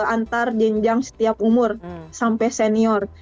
antar jenjang setiap umur sampai senior